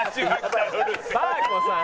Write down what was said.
パー子さん。